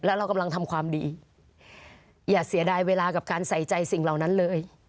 แล้วเรากำลังทำความดีอย่าเสียดายเวลากับการใส่ใจสิ่งเหล่านั้นเลย